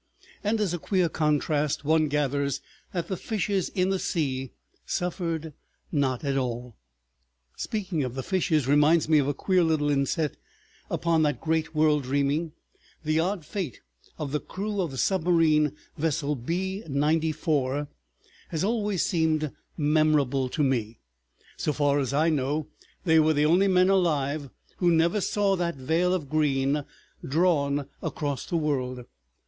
And as a queer contrast one gathers that the fishes in the sea suffered not at all. ... Speaking of the fishes reminds me of a queer little inset upon that great world dreaming. The odd fate of the crew of the submarine vessel B 94 has always seemed memorable to me. So far as I know, they were the only men alive who never saw that veil of green drawn across the world.